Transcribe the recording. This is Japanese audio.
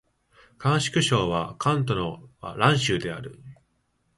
甘粛省の省都は蘭州である